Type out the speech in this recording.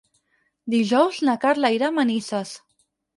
Dijous na Carla irà a Manises.